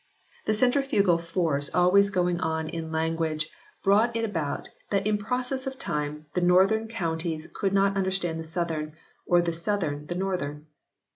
The centrifugal force always going on in language brought it about that in process of time the northern counties could not understand the southern, or the southern the northern.